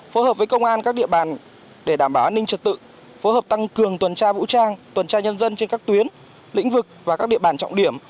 phối hợp với công an các địa bàn để đảm bảo an ninh trật tự phối hợp tăng cường tuần tra vũ trang tuần tra nhân dân trên các tuyến lĩnh vực và các địa bàn trọng điểm